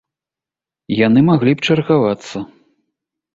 І яны маглі б чаргавацца.